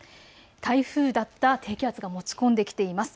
台風だった低気圧が持ち込んできています。